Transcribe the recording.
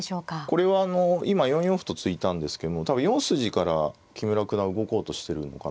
これはあの今４四歩と突いたんですけども多分４筋から木村九段動こうとしてるのかなと思いますね。